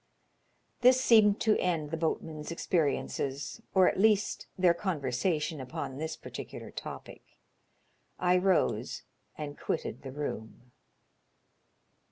This seemed to end the boatmen's experiences, or at least their conversation upon this particular topic. I rose and quitted the room.